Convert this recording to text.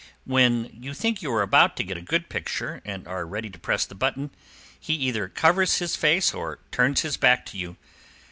When you think you are about to get a good picture, and are ready to press the button, he either covers his face, or turns his back to you.